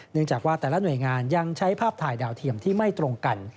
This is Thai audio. เนื่องจากว่าแต่ละหน่วยงานยังใช้ภาพถ่ายดาวเทียมที่ไม่ตรงกัน